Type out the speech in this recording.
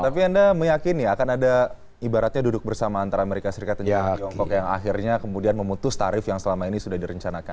tapi anda meyakini akan ada ibaratnya duduk bersama antara amerika serikat dan juga tiongkok yang akhirnya kemudian memutus tarif yang selama ini sudah direncanakan